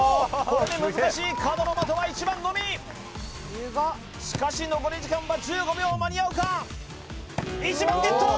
これで難しい角の的は１番のみしかし残り時間は１５秒間に合うか１番ゲット！